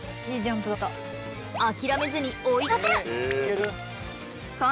諦めずに追いかける。